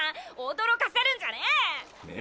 驚かせるんじゃねえ！